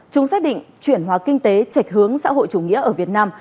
chúng xác định chuyển hóa kinh tế trạch hướng xã hội chủ nghĩa ở việt nam